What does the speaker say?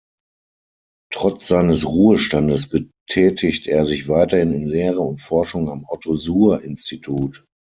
Trotz seines Ruhestandes betätigt er sich weiterhin in Lehre und Forschung am Otto-Suhr-Institut.